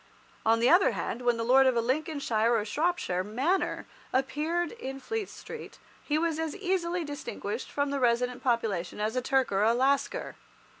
On the other hand, when the lord of a Lincolnshire or Shropshire manor appeared in Fleet Street, he was as easily distinguished from the resident population as a Turk or a Lascar.